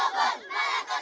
dukai bu bun